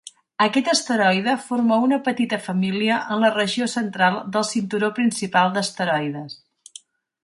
Aquest asteroide forma una petita família en la regió central del cinturó principal d'asteroides.